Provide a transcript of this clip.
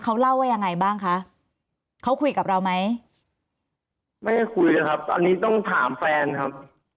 เขาเล่าว่ายังไงบ้างคะเขาคุยกับเราไหมไม่ได้คุยครับตอนนี้ต้องถามแฟนครับ